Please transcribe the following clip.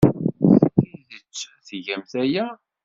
D tidet tgamt aya?